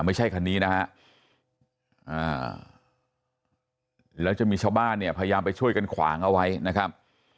ไม่ใช่คันนี้นะฮะแล้วจะมีชาวบ้านเนี่ยพยายามไปช่วยกันขวางเอาไว้นะครับ